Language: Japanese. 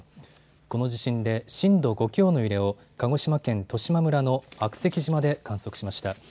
この地震で震度５強の揺れを鹿児島県十島村の悪石島で観測しました。